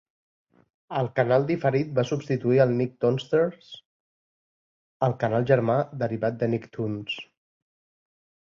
El canal diferit va substituir el Nicktoonsters, el canal germà derivat de Nicktoons.